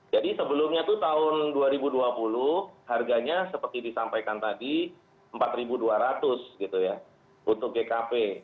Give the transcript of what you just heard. jadi sebelumnya tuh tahun dua ribu dua puluh harganya seperti disampaikan tadi rp empat dua ratus gitu ya untuk gkp